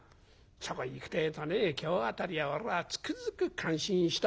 そこへいくってえとね今日辺りは俺はつくづく感心したよ。